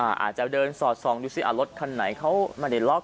อ่าอาจจะเดินสอดทรองดูสิอ่ารถคันไหนเขามาในล็อค